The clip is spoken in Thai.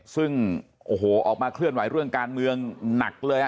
ซึ่งโอ้โหออกมาเคลื่อนไหวเรื่องการเมืองหนักเลย